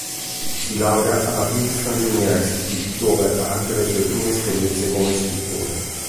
Si laurea alla Princeton University, dove ha anche le sue prime esperienze come scrittore.